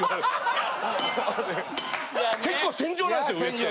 結構戦場なんですよ上って。